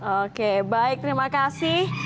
oke baik terima kasih